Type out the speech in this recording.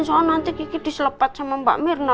soalnya nanti geki diselepat sama mbak mirna